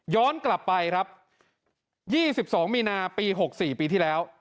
กลับไปครับ๒๒มีนาปี๖๔ปีที่แล้ว